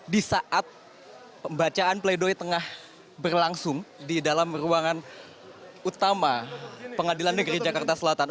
di saat pembacaan pledoi tengah berlangsung di dalam ruangan utama pengadilan negeri jakarta selatan